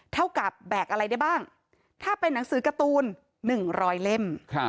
เท่ากับแบกอะไรได้บ้างถ้าเป็นหนังสือการ์ตูน๑๐๐เล่ม